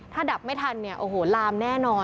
ถ้าดับไม่ทันลามแน่นอน